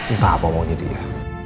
entah apa maunya dia